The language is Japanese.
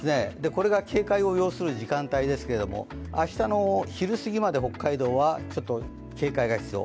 これが警戒を要する時間帯ですけれども、明日の昼すぎまで北海道はちょっと警戒が必要。